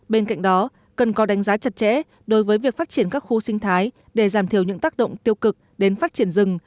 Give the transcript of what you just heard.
bên cạnh đó cần có đánh giá chặt chẽ đối với việc phát triển các khu sinh thái để giảm thiểu những tác động tiêu cực đến phát triển rừng